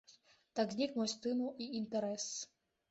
Так знік мой стымул і інтарэс.